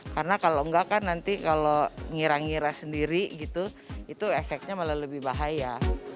karena kalau enggak kan nanti kalau ngira ngira sendiri gitu itu efeknya malah lebih bahaya